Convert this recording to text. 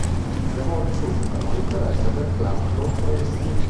I lavori suscitano l'interesse del clan Lo Presti.